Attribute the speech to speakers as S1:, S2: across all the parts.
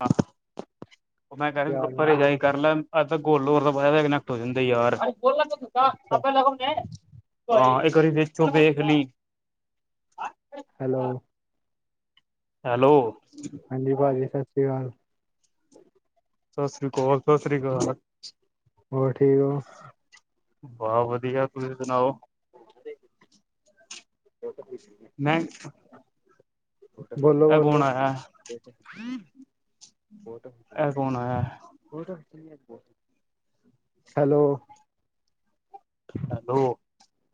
S1: [unintelligible]
S2: ਪਿਆਰ ਨਾਲ
S1: ਏ
S2: ਵੀ
S1: ਤਾਂ ਗੋਲੋਰ ਤਾਂ ਵਾਈ ਫਾਈਬ ਕਨੈਕਟ ਹੋ ਜਾਂਦਾ ਯਾਰ। ਹਾਂ
S2: ਅੱਛਾ
S1: ਇੱਕ ਵਾਰੀ ਵਿੱਚੋਂ ਵੇਖਲੀ
S2: ਹੈਲੋ।
S1: ਹੈਲੋ।
S2: ਹਾਂਜੀ ਭਾਜੀ ਸਤਿ ਸ਼੍ਰੀ ਅਕਾਲ।
S1: ਸਤਿ ਸ੍ਰੀ ਅਕਾਲ -ਸਤਿ ਸ਼੍ਰੀ ਅਕਾਲ
S2: ਹੋਰ ਠੀਕ ਓ
S1: ਬਹੁਤ ਵਧੀਆਂ, ਤੁਸੀਂ ਸੁਣਾਓ?
S2: [inaudible]
S1: ਮੈਂ ਕੌਣ
S2: ਬੋਲੋ-ਬੋਲੋ
S1: ਆਇਆ ਇਹ ਕੌਣ ਆਇਆ
S2: [unintelligible] ਹੈਲੋ।
S1: ਹੈਲੋ।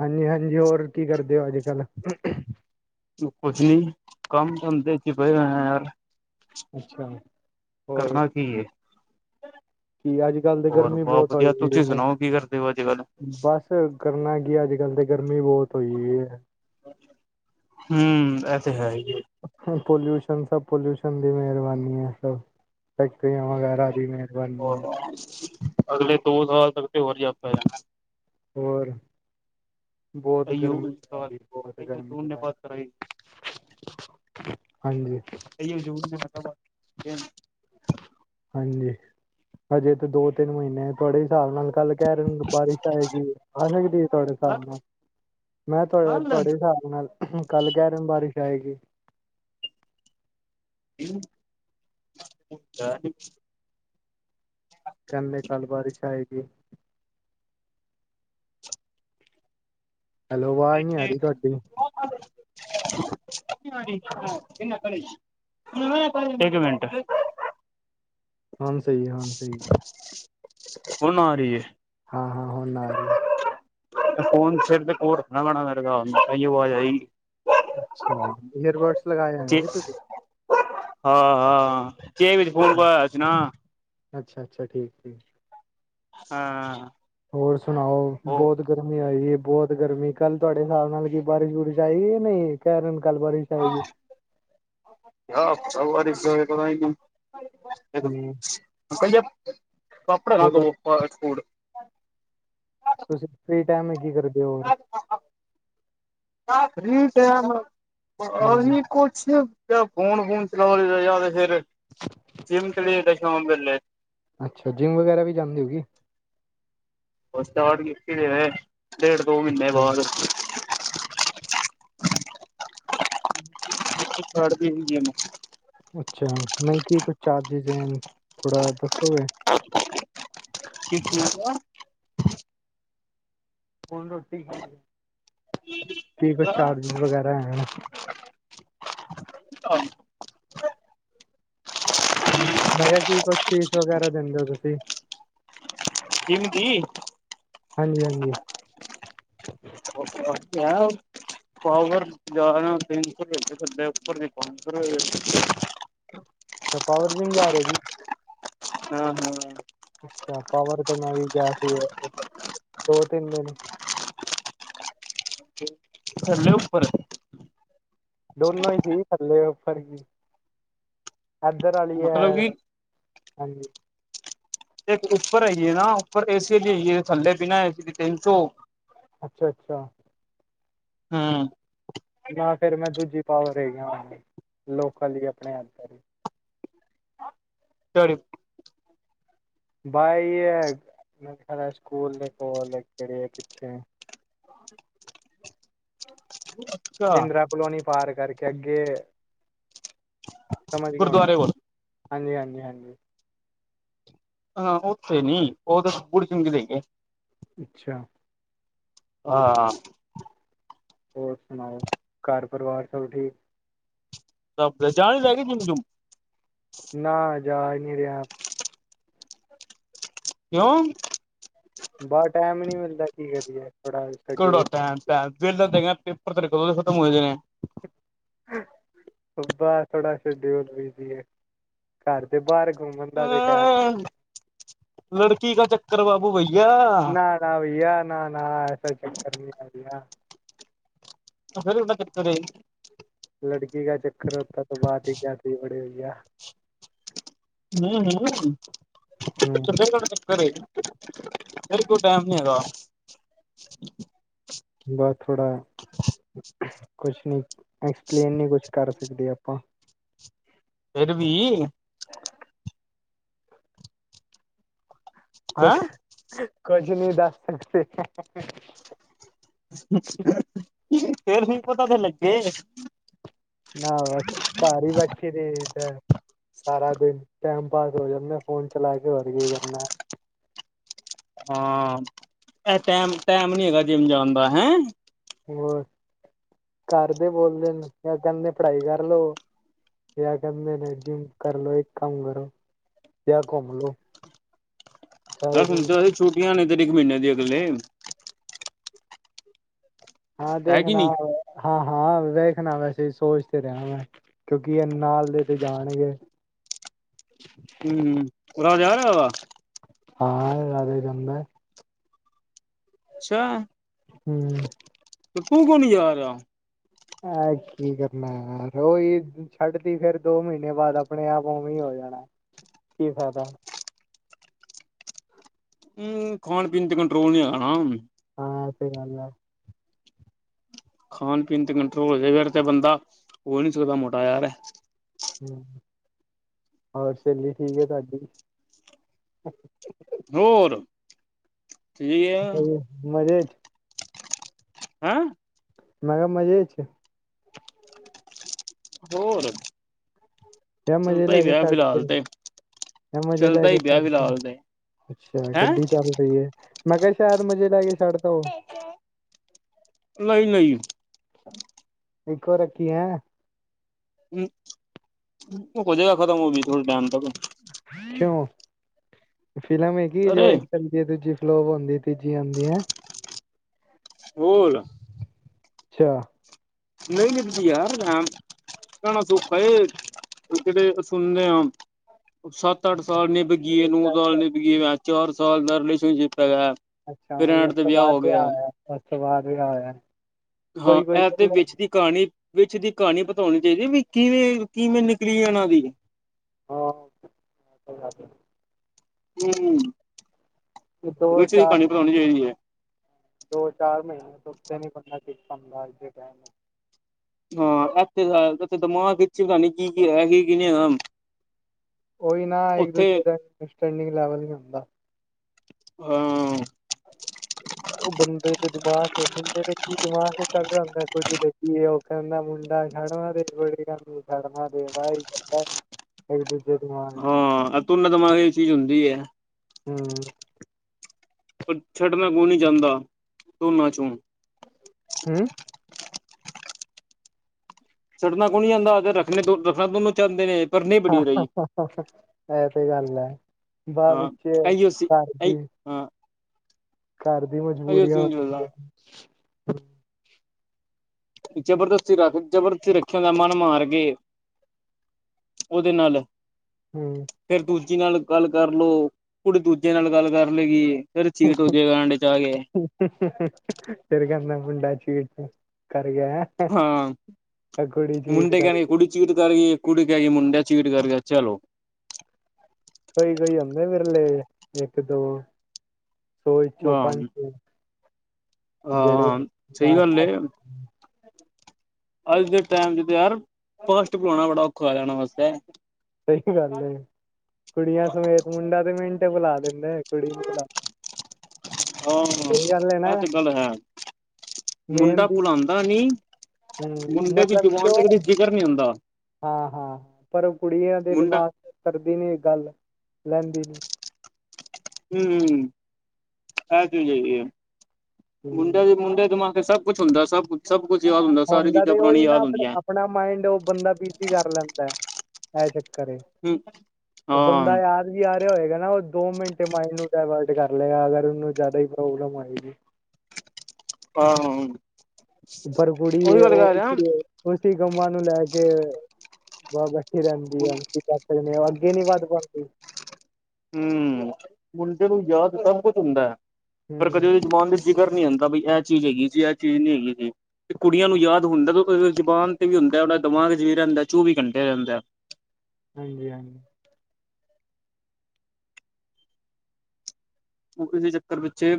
S2: ਹਾਂਜੀ- ਹਾਂਜੀ ਹੋਰ ਕੀ ਕਰਦੇ ਹੋ ਅੱਜ -ਕੱਲ੍ਹ
S1: ਕੁਝ ਨੀ ਕੰਮ ਧੰਦੇ ਚ ਪਏ ਹੋਏ ਆ ਯਾਰ
S2: ਅੱਛਾ। ਹੋਰ
S1: ਕਰਨਾ ਕੀ ਏ।
S2: ਕੀ ਅੱਜ -ਕੱਲ੍ਹ ਤੇ
S1: ਹੋਰ
S2: ਗਰਮੀ ਬਹੁਤ
S1: ਵਧੀਆ
S2: ਹੋਈ ਪਈ
S1: ਤੁਸੀਂ
S2: ਏ
S1: ਸੁਣਾਓ ਕੀ ਕਰਦੇ ਹੋ ਅੱਜ ਕੱਲ
S2: ਬਸ ਕਰਨਾ ਕੀ ਅੱਜ ਕੱਲ੍ਹ ਤੇ ਗਰਮੀ ਬਹੁਤ ਹੋਈ- ਹੋਈ ਵੀ ਐ।
S1: ਹਮ ਇਹ ਤੇੇ ਹੈ ਈ ਏ
S2: ਪੋਲਿਊਸ਼ਨ ਸਭ ਪੋਲਿਊਸ਼ਨ ਦੀ ਮਿਹਰਬਾਨੀ ਹੈ ਸਭ ਫੈਕਟਰੀਆਂ ਵਗੈਰਾ ਦੀ ਜਿਵੇਂ
S1: ਅਗਲੇ ਦੋ ਸਾਲ ਤੱਕ ਤੇ ਹੋਰ ਜੱਬ ਪੈ ਜਾਣਾ।
S2: ਹੋਰ ਬਹੁਤ ਗਰਮੀ ਪੈ ਰਹੀ ਬਹੁਤ ਗਰਮੀ ਪੈ ਰਹੀ
S1: [unintelligible]
S2: ਹਾਂਜੀ
S1: [unintelligible]
S2: ਹਾਂਜੀ, ਹਜੇ ਤਾਂ ਦੋ, ਤਿੰਨ ਮਹੀਨੇ ਬੜੇ ਹਿਸਾਬ ਨਾਲ਼ ਕੱਲ੍ਹ ਕਹਿ ਰਹੇ ਬਾਰਿਸ਼ ਆਏਗੀ ਆ ਸਕਦੀ ਐ ਤੁਹਾਡੇ ਹਿਸਾਬ ਨਾਲ਼ ਮੈਂ ਕਹਿ [unintelligible] ਤੁਹਾਡੇ ਹਿਸਾਬ ਦੇ ਨਾਲ਼ ਕੱਲ੍ਹ ਕਹਿ ਰਿਹਾ ਨਾ ਬਾਰਿਸ਼ ਆਏਗੀ
S1: [unintelligible]
S2: ਕਹਿੰਦੇ ਕੱਲ੍ਹ ਬਾਰਿਸ਼ ਆਏਗੀ ਹੈਲੋ, ਅਵਾਜ਼ ਨੀ ਆ ਰਹੀ ਤੁਹਾਡੀ
S1: [unintelligible] ਇੱਕ ਮਿੰਟ
S2: ਹੁਣ ਸਹੀ ਹੈ ਹੁਣ ਸਹੀ ਹੈ
S1: ਹੁਣ
S2: ਹਾਂ -ਹਾਂ ਹੁਣ ਆ ਰਹੀ
S1: ਫ਼ੋਨ ਸਿਰ ਦੇ ਕੋਲ਼ ਰੱਖਣਾ ਪੈਣਾ ਮੇਰੇ ਹਿਸਾਬ ਨਾਲ਼ ਤਾਂਹੀਓ ਵਾਜ਼ ਆਏਗੀ
S2: ਅੱਛਿਆਂ ਈਅਰਬਡਸ ਲਗਾਏ ਹੋਣਗੇ ਤੁਸੀਂ
S1: [unintelligible]
S2: ਅੱਛਾ -ਅੱਛਾ, ਠੀਕ -ਠੀਕ।
S1: ਹਾਂ
S2: ਹੋਰ ਸੁਣਾਓ
S1: ਉਹ
S2: ਬਹੁਤ ਗਰਮੀ ਆਈ ਹੈ ਬਹੁਤ ਗਰਮੀ ਕੱਲ੍ਹ ਤੁਹਾਡੇ ਹਿਸਾਬ ਨਾਲ਼ ਕੀ ਬਾਰਿਸ਼ -ਬੁਰਿਸ਼ ਆਈ ਜਾਂ ਨਹੀਂ ਕਹਿ ਰਹੇ ਨੇ ਕੱਲ੍ਹ ਬਾਰਿਸ਼ [unintelligible]
S1: [unintelligible] [unintelligible]
S2: ਹੂੰ
S1: ਸਹੀ ਆ ਪਾਪੜ
S2: ਹੋਰ
S1: ਦੋ ਫਾਸਟ ਫੂਡ।
S2: ਤੁਸੀਂ ਫਰੀ ਟਾਇਮ ਮੈ ਕੀ ਕਰਦੇ ਹੋ ਹੋਰ
S1: [unintelligible] [unintelligible] ਆ
S2: ਹਾਂਜੀ
S1: ਹੀ ਕੁਛ ਫੋਨ ਫਾਨ ਚਲਾਉਂਦੇ ਰਹੇ ਯ [unintelligible] ਸ਼ਾਮ ਵੇਲੇ
S2: ਅੱਛਾ ਜਿੰਮ ਵਗੈਰਾ ਵੀ ਜਾਂਦੀ ਹੋਊਗੀ।
S1: ਸਟਾਰਟ ਕੀਤੀ ਵੇ ਡੇਢ ਦੋ ਮਹੀਨੇ ਬਾਅਦ ਛੱਡਦੀ ਸੀ ਜਿੰਮ
S2: ਅੱਛਾ ਮੈ ਕੀ ਕੁਛ ਚਾਰਜਿਸ ਦੇਣ ਥੋੜਾ ਦੱਸੋਗੇ।
S1: [unintelligible]
S2: ਹੁਣ ਰੋਟੀ ਕੀ ਕੁਛ ਚਾਰਜਿਸ ਵਗੈਰਾ ਹੈਗਾ। ਮੈਂ ਕਿਹਾ ਕੀ ਕੁੱਛ ਫੀਸ ਵਗੈਰਾ ਦਿੰਦੇ ਓ। ਤੁਸੀਂ
S1: ਜਿੰਮ ਦੀ
S2: ਹਾਜੀ ਹਾਜੀ
S1: [unintelligible] ਪਵਾਰ ਜਿਆਦਾ ਹੋਵੇ ਤਿੰਨ ਸੌ ਰੁਪਏ ਉੱਪਰ ਪੰਜ ਸੌ ਰੁਪਏ
S2: ਅੱਛਾ ਪਾਵਰ ਜਿਮ ਜਾ ਰਹੀ ਓ ਜੀ।
S1: ਹਾਂ- ਹਾਂ
S2: ਅੱਛਾ ਪਾਵਰ ਤੇ ਮੈ ਵੀ ਗਿਆ ਸੀ [unintelligible] ਦੋ-ਤਿੰਨ ਦਿਨ
S1: ਥੱਲੇ ਉਪਰ
S2: ਦੋਨੋ ਹੀ ਸੀ ਥੱਲੇ ਉੱਪਰ [inaudible] ਇਧਰ ਆਲੀ ਆ
S1: ਮਤਲਬ ਕਿ
S2: ਹਾਂਜੀ।
S1: ਇੱਕ ਉੱਪਰ ਹੈਗੀ ਏ ਨਾ ਉੱਪਰ ਏ ਸੀ ਆਲੀ ਹੈਗੀ ਏ ਥੱਲੇ ਬਿਨਾਂ ਏ ਸੀ ਤੇ ਤਿੰਨ ਸੌ
S2: ਅੱਛਾ- ਅੱਛਾ
S1: ਹਾਂ
S2: ਨਾ ਫਿਰ ਮੈਂ ਦੂਜੀ ਪਾਵਰ ਰਹਿ ਗਿਆ [unintelligible] ਲੋਕਾਂ ਲਈ ਆਪਣੇ ਅੰਦਰ
S1: [unintelligible]
S2: ਬਾਈ ਐ [unintelligible] ਸਕੂਲ [unintelligible] ਪਿੱਛੇ
S1: [inaudible] ਅੱਛਾ
S2: ਇੰਦਰਾ ਕਲੋਨੀ ਪਾਰ ਕਰਕੇ ਅੱਗੇ ਸਮਝ ਗਏ ਹੋਣੇ ਓ
S1: ਗੁਰਦੁਆਰੇ ਕੋਲ
S2: ਹਾਂਜੀ- ਹਾਂਜੀ- ਹਾਂਜੀ।
S1: ਹਾਂ ਉੱਥੇ ਨੀ ਉਹ ਤਾਂ ਬੁੜੀ ਚੰਗੀ ਲਈ ਏ
S2: ਅੱਛਾ।
S1: ਆ
S2: ਹੋਰ ਸੁਣਾਓ ਘਰ ਪਰਿਵਾਰ ਸਭ ਠੀਕ
S1: [unintelligible] ਜਾਣ ਈ ਲੈ ਲਈ [unintelligible]
S2: ਨਾ ਜਾ ਨੀ ਰਿਹਾ।
S1: ਕਿਉਂ।
S2: ਬਸ ਟਾਈਮ ਨੀ ਮਿਲਦਾ ਕੀ ਕਰੀਏ। ਥੋੜਾ ਜਾ
S1: ਕਿਹੜਾ ਟਾਇਮ- ਟਾਇਮ ਵਿਹਲਾ ਤੇ ਹੈਗਾ ਪੇਪਰ ਤੇਰੇ ਕਦੋਂ ਦੇ ਖਤਮ ਹੋ ਜਾਣੇ ਆ
S2: ਬਾਬਾ ਥੋੜਾ ਸ਼ਡਿਊਲ ਬਿਜੀ ਐ ਘਰ ਦੇ ਬਾਹਰ ਘੁੰਮਣ ਦਾ ਵੀ ਟਾਇਮ
S1: ਅ ਲੜਕੀ ਕਾ ਚੱਕਰ ਬਾਬੂ ਬਈਆ
S2: ਨਾ ਨਾ ਬਈਆ ਨਾ- ਨਾ ਐਸਾ ਚੱਕਰ ਨਹੀਂ ਬਈਆ
S1: ਫਿਰ ਉਹਨਾਂ ਗਰ ਚੱਲੇ।
S2: ਲੜਕੀ ਕਾ ਚੱਕਰ ਹੋਤਾ ਤੋ ਬਾਤ ਹੀ ਕਿਆ ਥੀ ਬੜੇ ਬਈਆ।
S1: ਹੁੳ - ਹੁੳ ਥੋੜਾਂ - ਥੋੜਾ। [unintelligible] ਘਰੇ ਮੇਰੇ ਕੋਲ ਟਾਈਮ ਨੀ ਹੈਗਾ।
S2: ਬਸ ਥੋੜ੍ਹਾ ਕੁਛ ਨੀ ਐਕਸਪਲੇਨ ਨੀ ਕੁਛ ਕਰ ਸਕਦੇ ਆਪਾ
S1: ਫਿਰ ਵੀ
S2: ਹ [inaudible]
S1: ਹੈਂ
S2: ਕੁਛ -ਕੁਛ ਨੀ ਦੱਸ ਸਕਦੇ।
S1: ਫਿਰ ਵੀ ਪਤਾ ਤੇ ਲੱਗੇ।
S2: ਨਾ ਬਸ ਘਰ ਈ ਬੈਠੇ ਰਹੀਦਾ ਸਾਰਾ ਦਿਨ ਟਾਇਮ ਪਾਗਲ ਹੋ ਜਾਨੇ ਆ ਫੋਨ ਚਲਾ ਕੇ, ਹੋਰ ਕੀ ਕਰਨਾ।
S1: ਹਾ ਇਹ ਟਾਇਮ -ਟਾਇਮ ਨੀ ਹੈਗਾ ਜਿਮ ਜਾਣ ਦਾ ਹੈਅ
S2: ਹੋਰ ਘਰਦੇ ਬੋਲਦੇ ਨੇ ਜਾ ਕਹਿੰਦੇ ਪੜ੍ਹਾਈ ਕਰ ਲੋ। ਜਾ ਕਹਿੰਦੇ ਨੇ ਜਿੰਮ ਕਰ ਲੋ ਇੱਕ ਕੰਮ ਕਰੋ। ਜਾ ਘੁੰਮ ਲੋ।
S1: ਆਹ
S2: ਸਾਰੇ
S1: ਹੁਣ
S2: ਕੰਮ
S1: ਤੋ ਬਾਅਦ ਛੁੱਟੀਆ ਨੇ ਤਰੀਕ ਮਹੀਨੇ ਦੀ ਅਗਲੇ
S2: ਹਾ
S1: ਹੈ ਕਿ
S2: ਦੇਖਣਾ
S1: ਨੀ
S2: ਹਾ -ਹਾ ਵੇਖਣਾ ਵੈਸੇ ਸੋਚ ਤੇ ਰਿਹਾ ਮੈ ਕਿਉਕਿ ਇਹ ਨਾਲ ਦੇ ਤੇ ਜਾਣਗੇ।
S1: ਹਮ ਉਹ ਰਾਜਾ ਜਾ ਰਿਹਾ ਵਾ।
S2: ਹਾ ਰਾਜਾ ਜਾਦਾ ਏ।
S1: ਅੱਛਾ।
S2: ਹਮ।
S1: ਤੇ ਤੂੰ ਕਿਉ ਨੀ ਜਾ ਰਿਹਾ।
S2: ਅਹ ਕੀ ਕਰਨਾ ਯਾਰ ਉਹੀ ਛੱਡ ਤੀ ਫਿਰ ਦੋ ਮਹੀਨੇ ਬਾਅਦ ਆਪਣੇ ਆਪ ਉਵੇ ਹੋ ਜਾਣਾ। ਕੀ ਫਾਇਦਾ।
S1: ਹਮ, ਖਾਣ- ਪੀਣ ਤੇ ਕੰਟਰੋਲ ਨੀ ਹੈਗਾ ਨਾ।
S2: ਹਾ ਸਹੀ ਗੱਲ ਆ।
S1: ਖਾਣ- ਪੀਣ ਤੇ ਕੰਟਰੋਲ। ਹੋ ਜੇ ਫਿਰ ਤੇ ਬੰਦਾ ਹੋ ਨੀ ਸਕਦਾ ਮੋਟਾ ਯਾਰ ਐ
S2: ਹੋਰ ਸਹੇਲੀ ਠੀਕ ਐ ਤੁਹਾਡੀ।
S1: ਹੋਰ ਠੀਕ ਆ।
S2: ਮਜੇ ਚ।
S1: ਹੈ।
S2: ਮੈ ਕਿਹਾ ਮਜੇ 'ਚ'
S1: ਹੋਰ
S2: ਜਾ ਮਜੇ
S1: ਚੱਲਦਾ ਹੀ
S2: ਲੈ ਕੇ
S1: ਪਿਆ
S2: ਛੱਡ
S1: ਫਿਲਹਾਲ
S2: ਤੇ। ਮੈ ਮਜੇ ਲੈ
S1: ਚੱਲਦਾ ਹੀ
S2: ਕੇ
S1: ਪਿਆ
S2: ਛੱਡ ਤਾ
S1: ਫਿਲਹਾਲ ਤੇ
S2: ਅੱਛਾ
S1: ਹੈਂ
S2: ਗੱਡੀ ਚੱਲ ਪਹੀ ਏ। ਮੈ ਕਿਹਾ ਸਾਇਦ ਮਜੇ ਲੈ ਕੇ ਛੱਡ ਤਾ ਹੋਵੇ।
S1: ਨਹੀ -ਨਹੀ
S2: ਇੱਕੋ ਰੱਖੀ ਹੈਅ।
S1: ਹਮ ਉਹ ਹੋਜੇਗਾ ਖਤਮ ਉਹ ਵੀ ਥੋੜੇ ਟਾਇਮ ਤੱਕ।
S2: ਕਿਉ ਫਿਲਮ ਈ ਕੀ ਜੋ
S1: ਅਰੇ
S2: ਇਨਜੁਆਏ ਕਰਲੀ। ਜਦੋ ਦੂਜੀ ਫਲੋਪ ਹੁੰਦੀ ਤੀਜੀ ਆਦੀ ਹੈ।
S1: ਹੋਰ।
S2: ਅੱਛਾ।
S1: ਨਹੀ ਨਿਭਦੀ ਯਾਰ ਕਹਿਣਾ ਸੌਖਾ ਏ ਜਿਹੜੇ ਸੁਣਦੇ ਆ। ਸੱਤ, ਅੱਠ
S2: ਅੱਛਾ
S1: ਸਾਲ ਨਿਭ ਗਈ, ਨੌ ਸਾਲ ਨਿਭ ਗਈ, ਚਾਰ ਸਾਲ ਦਾ ਰਿਲੇਸ਼ਨਸ਼ਿਪ ਹੈਗਾ।
S2: ਅੱਛਾ,
S1: ਫਿਰ ਐਂਡ
S2: ਉਸ
S1: ਤੇ
S2: ਤੋ
S1: ਵਿਆਹ
S2: ਬਾਅਦ
S1: ਹੋ
S2: ਵੀ
S1: ਗਿਆ
S2: ਆਇਆ- ਉਸ ਤੋ ਬਾਅਦ ਵੀ ਆਇਆ।
S1: ਹਾ ਐ ਤੇ ਵਿੱਚ ਦੀ। ਕਹਾਣੀ ਵਿੱਚ ਦੀ ਕਹਾਣੀ ਬਤਾਉਣੀ ਚਾਹੀਦੀ ਵੀ ਕਿਵੇ ਕਿਵੇ ਨਿਕਲੀ ਆ ਉਹਨਾ ਦੀ।
S2: ਹਾ।
S1: ਹੂੰ ਵਿੱਚ ਦੀ
S2: ਦੋ-ਚਾਰ
S1: ਕਹਾਣੀ ਬਤਾਉਣੀ ਚਾਹੀਦੀ ਹੈ
S2: ਦੋ-ਚਾਰ ਮਹੀਨੇ ਤੋਂ ਉੱਤੇ ਨੀ ਕੱਠਾ ਕੀਤਾ ਹੁੰਦਾ ਅੱਜ ਦੇ ਟਾਈਮ।
S1: ਹਾਂ ਇ [unintelligible] ਤਾਂ ਕੀ-ਕੀ ਹੋਇਆ ਕੀ-ਕੀ ਨਹੀਂ ਹੋਇਆ।
S2: ਉਹੀ ਨਾ ਇੱਕ ਦੂਜੇ [unintelligible] ਲੈਵਲ ਨੀ ਹੁੰਦਾ।
S1: ਅਅ [unintelligible]
S2: ਉਹ ਬੰਦੇ ਦੇ ਦਿਮਾਗ ਹੀ ਮੁੰਡੇ ਦੇ ਕੀ ਦਿਮਾਗ ਹੀ ਚੱਲ ਰਿਹਾ ਹੁੰਦਾ। ਕੁੜੀ ਦੇ ਕੀ ਉਹ ਕਰਨਾ ਦਾ ਮੁੰਡਾ ਛੜਵਾਂ ਦੇ ਬੜ ਨੂੰ ਸੜਵਾਂ ਦੇ ਵਾਹਦਾ। [unintelligible] ਇੱਕ-ਦੂਜੇ
S1: ਹਾਂ ਅ ਤੂੰਨਾ ਦਿਮਾਗ ਦੀ ਚੀਜ਼ ਹੁੰਦੀ ਏ।
S2: ਹਾ
S1: ਕੁਛੱੜ ਦਾ ਮੂੰਹ ਨੀ ਜਾਂਦਾ ਧੋਨਾ 'ਚੋ।
S2: ਹੂੰ
S1: ਛਡਣਾ ਕੋ ਨੀ ਆਂਦਾ ਰੱਖਣੇ ਰੱਖਣਾ ਚਾਹਦੇ ਨੇ ਇਹ
S2: ਅਹਅਹਅਹ ਇਹ ਤੇ ਗੱਲ ਏ ਬਾਅਦ
S1: ਹਾਂ
S2: ਵਿੱਚ
S1: ਇਹੀਓ ਸੀ
S2: ਘਰ
S1: ਇਹੀ
S2: ਜੀ
S1: ਹਾਂ।
S2: ਘਰ ਦੀ
S1: ਇਹੀਓ
S2: ਮਜਬੂਰੀਆਂ
S1: ਸੀਨ
S2: ਹੁੰਦੀ
S1: ਚੱਲਦਾ
S2: ਆ।
S1: ਜਬਰਦਸਤੀ ਰੱਖ ਜਬਰ 'ਚ ਰੱਖਿਆ ਉਹਦਾ ਮਨ ਮਾਰ ਕੇ। ਉਹਦੇ ਨਾਲ
S2: ਹੂੰ
S1: ਫਿਰ ਦੂਜੀੇ ਨਾਲ ਗੱਲ ਕਰਲੋ। ਕੁੜੀ ਦੂਜੇ ਨਾਲ ਗੱਲ ਕਰ ਲੈ ਗੀ। ਫਿਰ ਚੀਟ ਹੋਜੇ ਗਾ ਐਂਡ 'ਚ ਆ ਕੇ।
S2: ਹਹਹ ਫਿਰ ਕਹਿੰਦੇ ਆ ਮੁੰਡਾ ਚੀਟ ਕਰ ਗਿਆ ਏ ਹੈਂ।
S1: ਹਾਂ
S2: ਇਹ ਕੁੜੀ ਚੀਟ
S1: ਮੁੰਡੇ
S2: ਕਰ
S1: ਕਹਿਣ ਗੇ
S2: ਗਈ
S1: ਕੁੜੀ ਚੀਟ ਕਰ ਗਈ ਕੁੜੀ ਕਿਹ ਗਈ ਮੁੰਡਾ ਚੀਟ ਕਰ ਗਿਆ ਚਲੋ।
S2: ਕੋਈ-ਕੋਈ ਆਂਦੇ ਆ ਵਿਰਲੇ ਇੱਕ-ਦੋ ਸੌ ਵਿੱਚੋ ਪੰਜ।
S1: ਹਾਂ
S2: ਜਿਹੜੇ
S1: ਹਾਂ ਸਹੀ ਗੱਲ
S2: ਲਾਸਟ
S1: ਏ। ਅੱਜ ਦੇ ਟੈਮ 'ਚ ਤੇ ਯਾਰ ਫਸਟ ਬਲਾਉਣਾ ਬੜਾ ਔਖਾ ਹੋ ਜਾਣਾ ਵੈਸੇ।
S2: ਸਹੀ ਤਾਂ ਗੱਲ ਏ। ਕੁੜੀਆਂ ਸਮੇਤ ਮੁੰਡਾ ਤੇ ਮਿੰਟ ਬੁਲਾ ਲੈਦਾ ਏ। ਕੁੜੀ ਨੂੰ ਬੁਲਾ
S1: ਹਾਂ ਹਾਂ
S2: ਏ ਨਾ
S1: ਇਹ ਤੇ ਗੱਲ ਹੈ।
S2: ਮੇਨ
S1: ਮੁੰਡਾ
S2: ਦੀ
S1: ਭੁਲਾਂਦਾ ਨੀ
S2: ਹੂੰ
S1: ਮੁੰਡੇ ਦੀ
S2: ਮਤਲਬ ਕਿ
S1: ਜਵਾਨ ਤੇ
S2: ਉਹ
S1: ਕਦੇ ਜ਼ਿਕਰ ਨੀ ਹੁੰਂਦਾ।
S2: ਹਾਂ ਹਾਂ ਪਰ ਕੁੜੀਆਂ ਦੇ
S1: ਮੁੰਡਾ
S2: ਦਿਮਾਗ ਤੇ ਕਰਦੀ ਨੀ ਇਹ ਗੱਲ ਲੈਂਦੀ ਨੀ।
S1: ਹੂੰ ਐ ਚੀਜ ਹੈਗੀ ਆ। ਮੁੰਡੇ
S2: ਹੂੰ
S1: ਦੇ ਮੁੰਡੇ ਦਿਮਾਗ ਸਭ ਕੁਛ ਹੁੰਦਾ ਸਭ ਕੁਛ ਸਭ ਕੁਛ ਯਾਦ ਹੁੰਦਾ। ਸਾਰੀ ਚੀਜ਼ਾਂ
S2: ਤੇ ਉਹੀ
S1: ਪੁਰਾਣੀਆਂ
S2: ਨਾ
S1: ਯਾਦ
S2: ਆਪਣੇ
S1: ਹੁੰਦੀਆਂ।
S2: ਆਪਣਾ ਮਾਇੰਡ ਉਹ ਬੰਦਾ ਬਿਜੀ ਕਰ ਲੈਂਦਾ ਐ। ਇਹ ਚੱਕ ਕਰੇ
S1: ਹੂੰ
S2: ਉਹ
S1: ਹਾਂ
S2: ਬੰਦਾ ਯਾਦ ਵੀ ਆ ਰਿਹਾ ਹੋਏਗਾ ਨਾ। ਉਹ ਦੋ ਮਿੰਟੇ ਮਾਇੰਡ ਨੂੰ ਡਾਇਵਰਟ ਕਰ ਲਏਗਾ ਅਗਰ ਉਹਨੂੰ ਜ਼ਿਆਦਾ ਈ ਪ੍ਰੋਬਲਮ ਹੋਏਗੀ।
S1: ਹਾਂ ਹਾਂ।
S2: ਪਰ ਕੁੜੀ ਏ ਉਹ
S1: ਹੂੰ
S2: ਉਸ ਉਸੀ ਗਮਾਂ ਨੂੰ ਲੈ ਕੇ ਬਾਬਾ ਅੱਕੀ ਰਹਿੰਦੀ ਆ ਕੀ ਕਰ ਸਕਦੇ ਆ ਅੱਗੇ ਨੀ ਵੱਧ ਪਾਂਦੀ।
S1: ਹੂੰ ਮੁੰਡੇ ਨੂੰ ਯਾਦ ਸਭ ਕੁਛ ਹੁੰਦਾ ਆ। ਪਰ
S2: ਹੂੰ
S1: ਕਦੇ ਉਹਦੀ ਜਬਾਨ ਜ਼ਿਕਰ ਨੀ ਹੁੰਦਾ ਬਈ ਇਹ ਚੀਜ਼ ਹੈਗੀ ਜੀ ਇਹ ਚੀਜ਼ ਨੀ ਹੈਗੀ ਜੀ। ਕੁੜੀਆਂ ਨੂੰ ਯਾਦ ਹੁੰਦਾ ਜ਼ਬਾਨ ਤੇ ਵੀ ਹੁੰਦਾ ਉਹਦਾ ਦਿਮਾਗ 'ਚ ਵੀ ਰਹਿੰਦਾ ਚੌਵੀ ਘੰਟੇ ਰਹਿੰਦਾ।
S2: ਹਾਂਜੀ ਹਾਂਜੀ।
S1: ਇਸਦੇ ਚੱਕਰ ਪਿੱਛੇ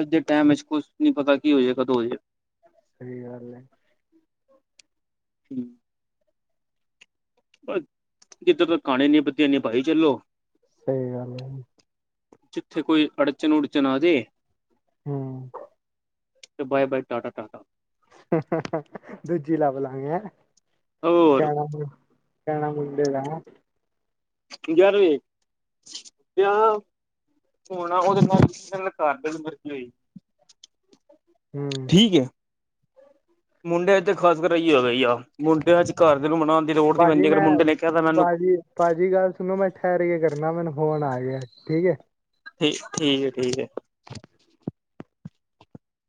S1: ਅੱਜ ਦੇ ਟਾਈਮ ਵਿੱਚ ਕੁਛ ਨੀ ਪਤਾ ਕੀ ਹੋ ਜਏ ਕਦੋਂ ਹੋ ਜਏ।
S2: ਸਹੀ ਗੱਲ ਏ।
S1: ਕਿਧਰ ਤ ਕਾਣੇ ਨ [unintelligible] ਚੱਲੋ।
S2: ਸਹੀ ਗੱਲ ਏ ਜੀ।
S1: ਜਿੱਥੇ ਕੋਈ ਅੜਚਨ -ਉੜਚਣ ਆ ਜੇ
S2: ਹੂ।
S1: ਤੇ ਬਏ- ਬਏ, ਟਾਟਾ- ਟਾਟਾ।
S2: ਦੂਜੀ ਲਭ ਲਾਂਗੇ ਐ [inaudible]
S1: ਹੋਰ
S2: ਕਹਿਣਾ [unintelligible] ਕਹਿਣਾ ਮੁੰਡੇ ਦਾ ਹਨਾ
S1: ਜਰ ਕੀਆ ਹੋਣਾ [unintelligible] [inaudible]
S2: ਹਮ।
S1: ਠੀਕ ਹੈ। ਮੁੰਡਿਆਂ ਚੋਂ ਤਾ ਖਾਸ ਫਿਰ ਏ ਈ [unintelligible] ਮੁੰਡਿਆਂ ਚ ਘਰ ਦੇ ਨੂੰ ਮਨਾਉਣ ਦੀ ਲੋੜ ਦੀ ਲੋੜ ਨੀ ਪੈਂਦੀ ਫਿਰ ਮੁੰਡੇ ਨੇ ਕਹਿ ਤਾ ਮੈਨੂੰ
S2: ਭਾਜੀ-ਭਾਜੀ ਗੱਲ ਸੁਣੋ, ਮੈਂ ਠਹਿਰ ਕੇ ਕਰਨਾ ਮੈਨੂੰ ਫੋਨ ਆ ਗਿਆ ਠੀਕ ਹੈ।
S1: ਠੀ ਠੀਕ ਹੈ, ਠੀਕ ਹੈ।